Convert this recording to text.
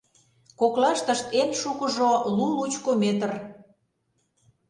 Коклаштышт эн шукыжо — лу-лучко метр.